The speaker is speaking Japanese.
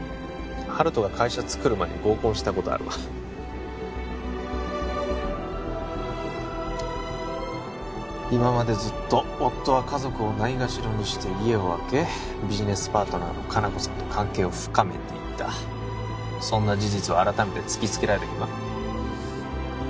温人が会社作る前に合コンしたことあるわ今までずっと夫は家族をないがしろにして家をあけビジネスパートナーの香菜子さんと関係を深めていたそんな事実を改めて突きつけられた気分？